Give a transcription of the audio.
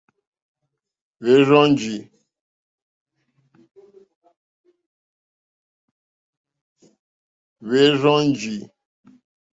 Hwɛ́ rzɔ́njì.